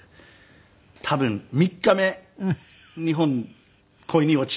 多分３日目日本恋に落ちた。